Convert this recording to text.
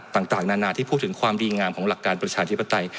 ต่างนานาที่พูดถึงความดีงามของหลักการประชาธิปไตย